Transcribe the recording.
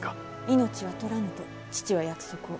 命は取らぬと父は約束を。